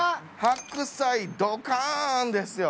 白菜ドカンですよ。